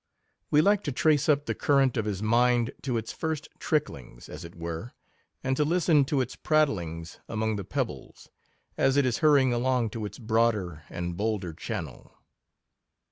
We like to trace up the current of his mind to its first tricklings, as it were, and to listen to its prattlings among the pebbles, as it is hurrying along to its broader and bolder channel.